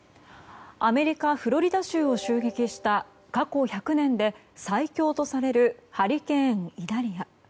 アメリカ・フロリダ州を襲撃した過去１００年で最強とされるハリケーン、イダリア。